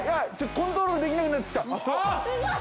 コントロールできなくなってきた。